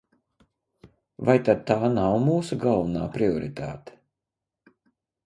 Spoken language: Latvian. Vai tad tā nav mūsu galvenā prioritāte?